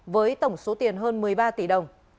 với tổng số tiền hơn một mươi ba tỷ đồng